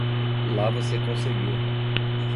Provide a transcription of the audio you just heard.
Lá você conseguiu!